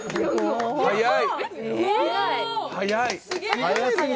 早い。